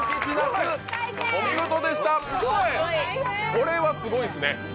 これはすごいですね。